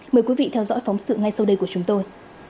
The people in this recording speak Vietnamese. mời quý vị theo dõi phóng sự ngay sau đây của chúng tôi